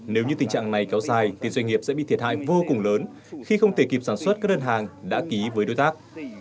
nếu như tình trạng này kéo dài thì doanh nghiệp sẽ bị thiệt hại vô cùng lớn khi không thể kịp sản xuất các đơn hàng đã ký với đối tác